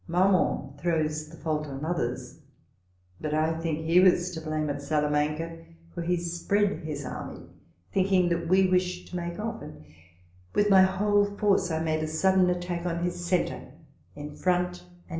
Marmont throws the fault on others ; but I think he was tp blame at Salamanca ;t for he spread his army, thinking that we wished to make off ; and with my whole force I made a sudden attack on his centre, in front and in rear.